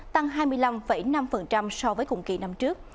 tăng hai mươi năm năm so với cùng kỳ năm trước